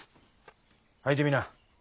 履いてみな。